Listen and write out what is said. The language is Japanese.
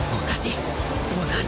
同じ！